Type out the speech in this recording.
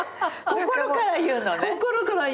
心から言うの。